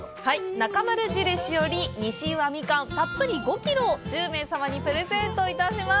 なかまる印より西宇和みかん、たっぷり５キロを１０名様にプレゼントいたします。